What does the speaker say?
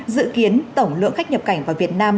dự kiến tổng lượng khách nhập quốc tế trong thời gian này